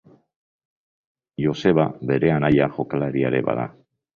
Joseba bere anaia jokalaria ere bada.